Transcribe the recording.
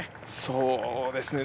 そうですね